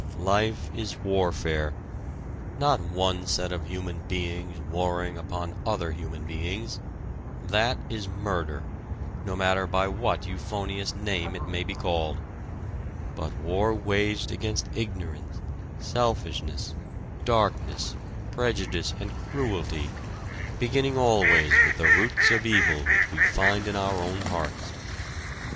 Life is warfare not one set of human beings warring upon other human beings that is murder, no matter by what euphonious name it may be called; but war waged against ignorance, selfishness, darkness, prejudice and cruelty, beginning always with the roots of evil which we find in our own hearts.